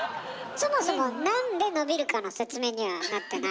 そもそもなんで伸びるかの説明にはなってないからね。